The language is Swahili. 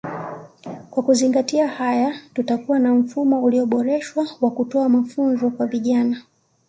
Kwa kuzingatia haya tutakuwa na mfumo ulioboreshwa wa kutoa mafunzo kwa vijana